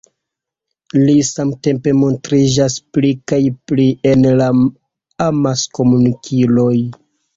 Li samtempe montriĝas pli kaj pli en la amaskomunikiloj.